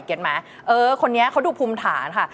เห็นไหมเออคนนี้เขาดูภูมิฐานค่ะ